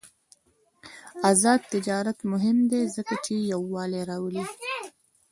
آزاد تجارت مهم دی ځکه چې یووالي راوړي.